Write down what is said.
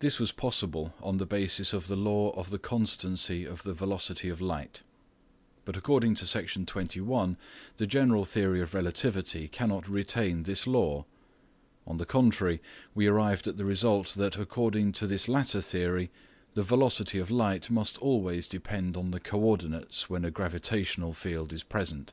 This was possible on the basis of the law of the constancy of the velocity of tight. But according to Section 21 the general theory of relativity cannot retain this law. On the contrary, we arrived at the result that according to this latter theory the velocity of light must always depend on the co ordinates when a gravitational field is present.